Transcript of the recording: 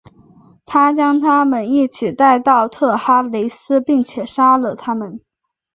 他将他们一起带到特哈雷斯并且杀了他们。